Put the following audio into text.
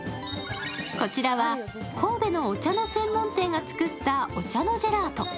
こちらは神戸のお茶の専門店が作ったお茶のジェラート。